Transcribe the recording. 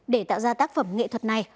để tạo ra tác phẩm nghệ thuật này